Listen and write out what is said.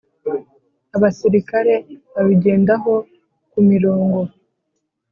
abasirikare babigendaho kumirongo